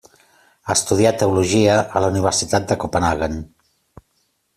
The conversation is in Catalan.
Estudià teologia a la Universitat de Copenhaguen.